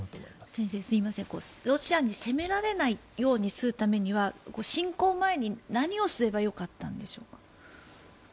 先生、ロシアに攻められないようにするためには侵攻前に何をすればよかったんでしょう。